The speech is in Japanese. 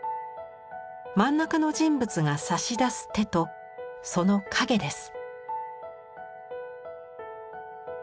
真ん中の人物が差し出す手とその影です。